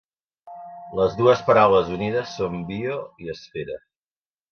Les dues paraules unides són "bio" i "esfera".